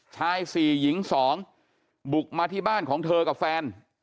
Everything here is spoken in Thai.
ชาย๔หญิง๒บุกมาที่บ้านของเธอกับแฟน